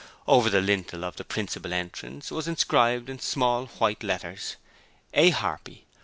On the lintel over the principal entrance was inscribed in small white letters: 'A. Harpy.